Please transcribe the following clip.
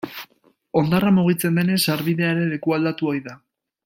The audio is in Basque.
Hondarra mugitzen denez, sarbidea ere lekualdatu ohi da.